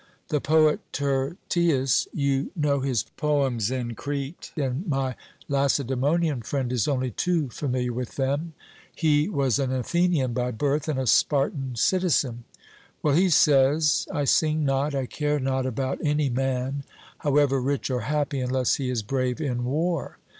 The poet Tyrtaeus (you know his poems in Crete, and my Lacedaemonian friend is only too familiar with them) he was an Athenian by birth, and a Spartan citizen: 'Well,' he says, 'I sing not, I care not about any man, however rich or happy, unless he is brave in war.'